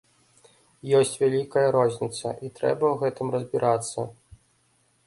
Ёсць вялікая розніца і трэба ў гэтым разбірацца.